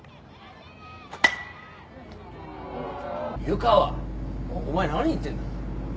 湯川お前何言ってんだ？